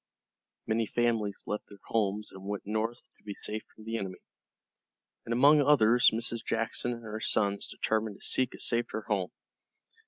Many families left their homes and went north to be safe from the enemy, and among others Mrs. Jackson and her sons determined to seek a safer home.